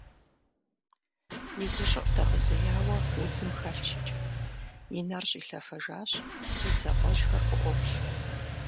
И гущӀыӀу дэгъэзеяуэ удзым хэлъщ иджы, и нэр щӀилъэфэжащ, и дзэ гъуэжьхэр къыӀуоплъ.